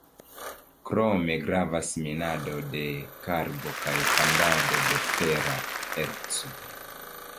Krome gravas minado de karbo kaj fandado de fera erco.